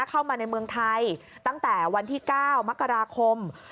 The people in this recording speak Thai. เข้ามาในเมืองไทยตั้งแต่วันที่๙มกราคม